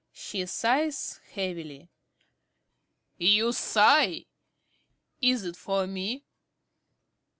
(She sighs heavily.) You sigh! Is't for me?